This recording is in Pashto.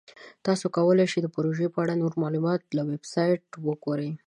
تاسو کولی شئ د پروژې په اړه د نورو معلوماتو لپاره ویب پاڼه وګورئ.